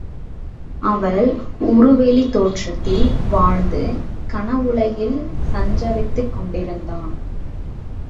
அவள் உருவெளித் தோற்றத்தில் வாழ்ந்து கனவு உலகில் சஞ்சரித்துக் கொண்டிருந்தான்.